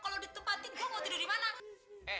ada juga ya nyaring gue